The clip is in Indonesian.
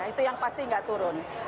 itu yang pasti nggak turun